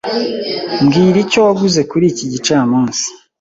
Mbwira icyo waguze kuri iki gicamunsi.